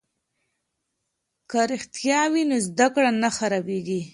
که رښتیا وي نو زده کړه نه خرابیږي.